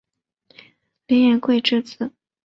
林廷圭之子。